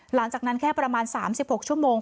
หลังจากนั้นแค่ประมาณ๓๖ชั่วโมง